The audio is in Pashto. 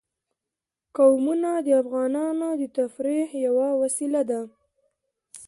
قومونه د افغانانو د تفریح یوه وسیله ده.